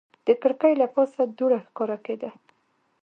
د کړکۍ له پاسه دوړه ښکاره کېده.